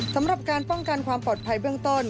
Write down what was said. สำหรับการป้องกันความปลอดภัยเบื้องต้น